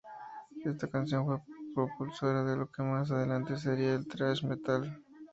Esta canción fue propulsora de lo que más adelante sería el Thrash Metal.